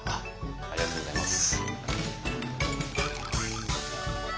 ありがとうございます。